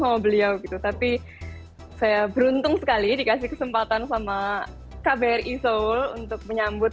sebenarnya saya tidak pernah mencari penyakit